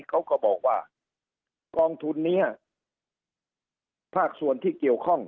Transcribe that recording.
เขาก็บอกว่ากองทุนนี้ภาคส่วนที่เกี่ยวข้อง